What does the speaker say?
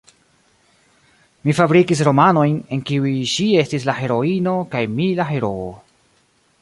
Mi fabrikis romanojn, en kiuj ŝi estis la heroino, kaj mi la heroo.